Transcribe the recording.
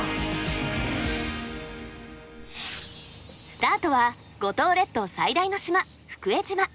スタートは五島列島最大の島福江島。